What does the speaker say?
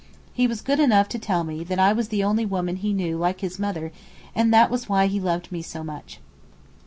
He was good enough to tell me that I was the only woman he knew like his mother and that was why he loved me so much.